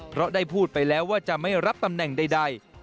เพราะได้พูดไปแล้วว่าจะไม่รับตำแหน่งใด